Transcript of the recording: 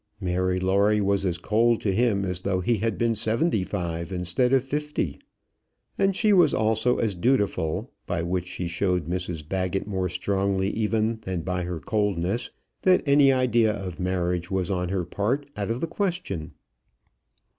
Mary Lawrie was as cold to him as though he had been seventy five instead of fifty. And she was also as dutiful, by which she showed Mrs Baggett more strongly even than by her coldness, that any idea of marriage was on her part out of the question.